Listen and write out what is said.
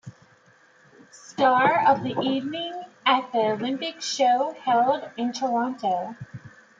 Star of the evening at the Olympic Show held in Toronto.